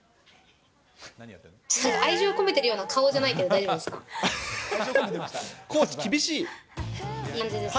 愛情込めてるような顔じゃないけど、大丈夫ですか。